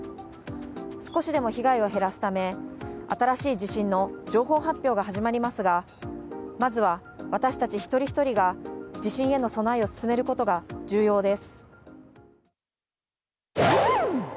少しでも被害を減らすため、新しい地震の情報発表が始まりますが、まずは私たち一人一人が地震への備えを進めることが重要です。